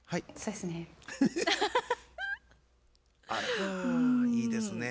あっいいですね。